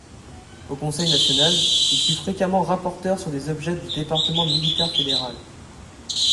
Au Conseil national, il fut fréquemment rapporteur sur des objets du Département militaire fédéral.